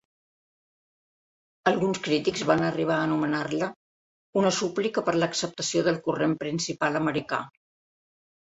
Alguns crítics van arribar a anomenar-la una "súplica per l'acceptació del corrent principal americà.